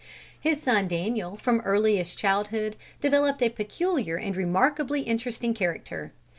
His son Daniel, from earliest childhood, developed a peculiar and remarkably interesting character.